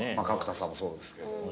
角田さんもそうですけど。